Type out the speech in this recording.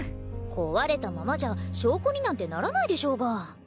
壊れたままじゃ証拠になんてならないでしょうが。